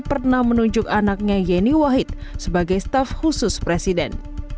pernah menunjuk anaknya yeni wahid sebagai staf khusus presiden